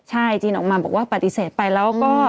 ใช่จีนออกมาบอกว่าปฏิเสธไปแล้วก็